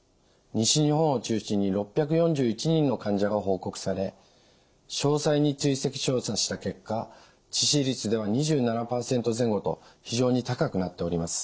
西日本を中心に６４１人の患者が報告され詳細に追跡調査した結果致死率では２７％前後と非常に高くなっております。